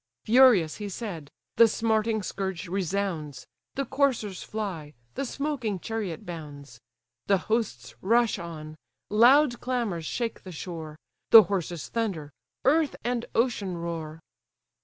Furious he said; the smarting scourge resounds; The coursers fly; the smoking chariot bounds; The hosts rush on; loud clamours shake the shore; The horses thunder, earth and ocean roar!